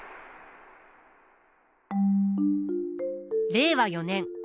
令和４年。